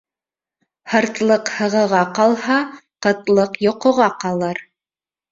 Һыртлыҡ һығыға ҡалһа, ҡытлыҡ йоҡоға ҡалыр